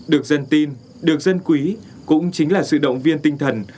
được dân tin được dân quý cũng chính là sự động viên tinh thần